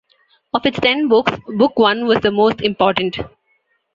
Of its ten books, Book One was the most important.